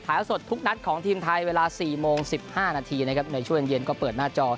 ถ่ายอาวุธสดทุกนัดของทีมไทยเวลา๔โมง๑๕นาทีในช่วงเย็นก็เปิดหน้าจอ